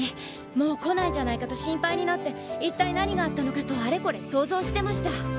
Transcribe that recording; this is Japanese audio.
もう来ないんじゃないかと心配になって一体何があったのかとあれこれ想像してました。